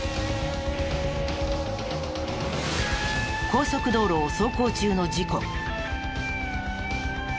高速道路を走行中の事故。